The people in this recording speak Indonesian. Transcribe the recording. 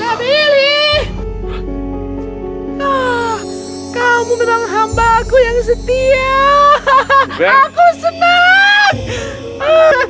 nabi ili kamu memang hamba aku yang setia aku senang